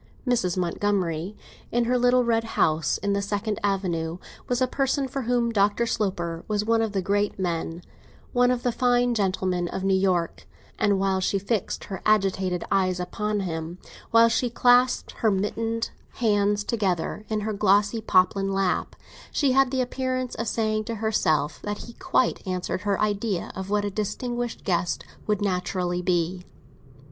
Mrs. Montgomery, in her little red house in the Second Avenue, was a person for whom Dr. Sloper was one of the great men, one of the fine gentlemen of New York; and while she fixed her agitated eyes upon him, while she clasped her mittened hands together in her glossy poplin lap, she had the appearance of saying to herself that he quite answered her idea of what a distinguished guest would naturally be.